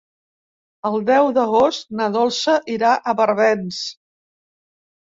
El deu d'agost na Dolça irà a Barbens.